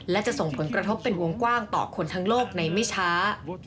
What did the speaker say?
และจะส่งผลกระทบเป็นวงกว้างต่อคนทั้งโลกในไม่ช้า